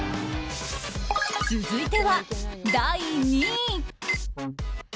続いては、第２位。